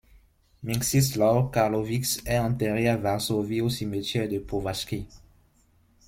Mieczysław Karłowicz est enterré à Varsovie, au Cimetière de Powązki.